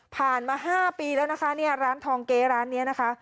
ผ่านมา๕ปีแล้วนะคะเนี่ยร้านทองเก๊ร้านนี้นะคะ